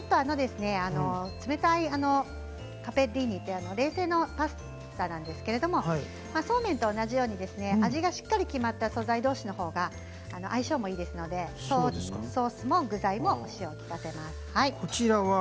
冷たいカペッリーニ冷製のパスタなんですけれどもそうめんと同じように味がしっかり決まった素材どうしのほうが相性もいいですのでソースも具材もお塩を利かせます。